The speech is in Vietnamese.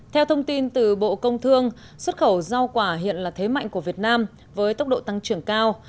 theo thông tin từ bộ công thương xuất khẩu rau quả hiện là thế mạnh của việt nam với tốc độ tăng trưởng cao